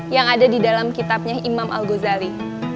yang ada di dalam kitabnya imam al ghazali